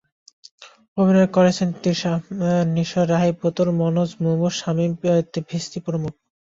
অভিনয় করেছেন তিশা, নিশো, রাহি, পুতুল, মনোজ, মুমু, শামীম ভিস্তী প্রমুখ।